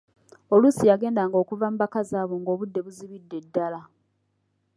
Oluusi yagendanga okuva mu bakazi abo ng'obudde buzibidde ddala.